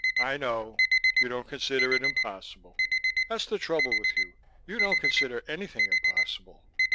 "I know; you don't consider it impossible. That's the trouble with you; you don't consider anything impossible.